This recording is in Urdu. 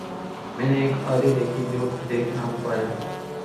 میں نے ایک آری دیکھی جو دیکھ نہ پایا۔